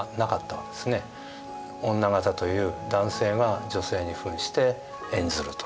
女形という男性が女性にふんして演ずると。